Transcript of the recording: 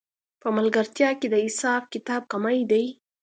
په ملګرتیا کې د حساب کتاب کمی دی